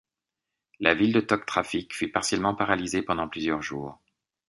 La ville de Togtraffik fut partiellement paralysée pendant plusieurs jours.